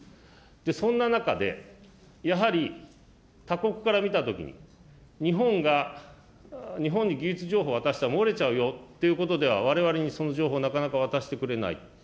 そんな中で、やはり、他国から見たときに日本が、日本に技術情報を渡したら漏れちゃうよということでは、われわれにその情報はなかなか渡してくれない。